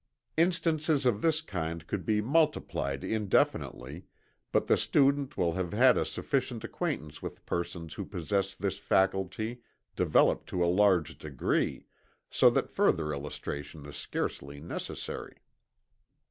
Instances of this kind could be multiplied indefinitely, but the student will have had a sufficient acquaintance with persons who possess this faculty developed to a large degree, so that further illustration is scarcely necessary.